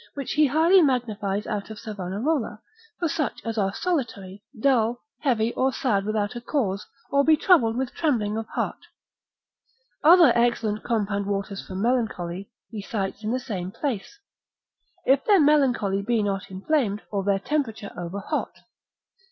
which he highly magnifies out of Savanarola, for such as are solitary, dull, heavy or sad without a cause, or be troubled with trembling of heart. Other excellent compound waters for melancholy, he cites in the same place. If their melancholy be not inflamed, or their temperature over hot.